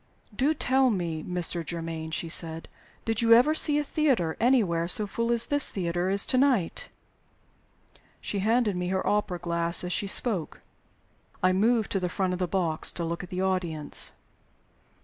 "Do tell me, Mr. Germaine," she said. "Did you ever see a theater anywhere so full as this theater is to night?" She handed me her opera glass as she spoke. I moved to the front of the box to look at the audience.